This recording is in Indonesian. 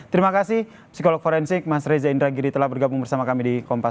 terima kasih psikolog forensik mas reza indragiri telah bergabung bersama kami di kompas